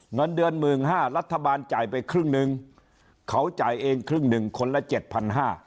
เงินเดือน๑๕๐๐รัฐบาลจ่ายไปครึ่งหนึ่งเขาจ่ายเองครึ่งหนึ่งคนละเจ็ดพันห้า